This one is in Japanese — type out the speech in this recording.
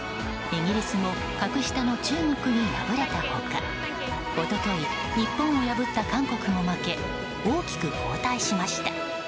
イギリスも格下の中国に敗れた他一昨日、日本を破った韓国も負け大きく後退しました。